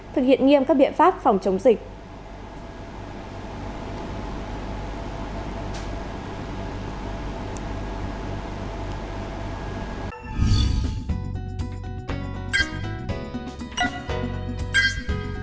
thực hiện nghiêm các biện pháp phòng chống dịch